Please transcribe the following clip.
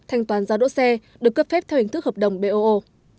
thanh toán giao đỗ xe được cấp phép theo hình thức hợp đồng boo